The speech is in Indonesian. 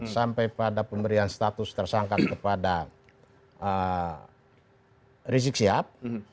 sampai pada pemberian status tersangkat kepada rizik siap